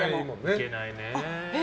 行けないね。